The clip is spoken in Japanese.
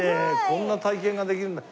こんな体験ができるんだ。